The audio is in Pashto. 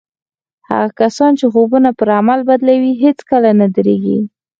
هغه کسان چې خوبونه پر عمل بدلوي هېڅکله نه درېږي.